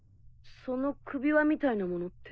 その首輪みたいなものって。